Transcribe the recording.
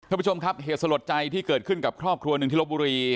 ท่านผู้ชมครับเหตุสลดใจที่เกิดขึ้นกับครอบครัวหนึ่งที่ลบบุรี